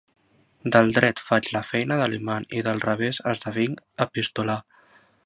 Del dret faig la feina de l'imant i del revés esdevinc epistolar.